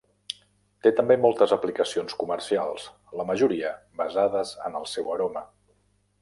Té també moltes aplicacions comercials, la majoria basades en el seu aroma.